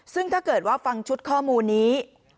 ซึ่งถ้าเกิดว่าฟังชุดข้อมูลนี้